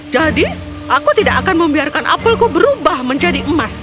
jadi aku tidak akan membiarkan apelku berubah menjadi emas